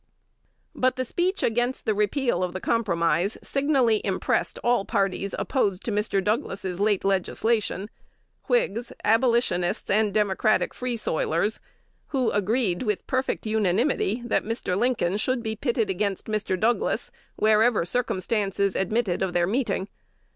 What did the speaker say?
But the speech against the repeal of the Compromise signally impressed all parties opposed to Mr. Douglas's late legislation, Whigs, Abolitionists, and Democratic Free soilers, who agreed with perfect unanimity, that Mr. Lincoln should be pitted against Mr. Douglas wherever circumstances admitted of their meeting.